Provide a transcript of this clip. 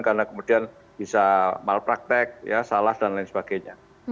karena kemudian bisa malpraktek salah dan lain sebagainya